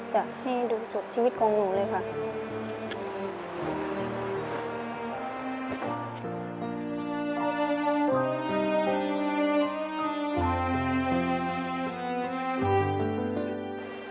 จะให้ลุงสุดชีวิตของลุงเลยค่ะ